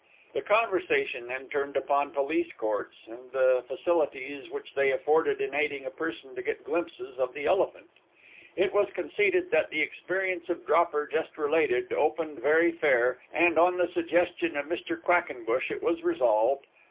The conversation then turned upon Police Courts, and the facilities which they afforded in aiding a person to get glimpses of the elephant. It was conceded that the experience of Dropper, just related, opened very fair, and, on the suggestion of Mr. Quackenbush, it was resolved: 1.